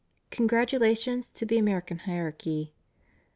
CONGRATULATIONS TO THE AMERICAN HIERARCHY.